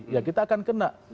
ya kita akan kena